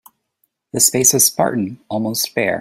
The space was spartan, almost bare.